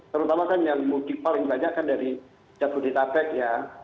terutama kan yang mudik paling banyak kan dari jabodetabek ya